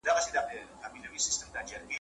او په لار کي شاباسونه زنده باد سې اورېدلای ,